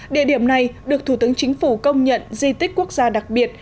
địa điểm này được thủ tướng chính phủ công nhận di tích quốc gia đặc biệt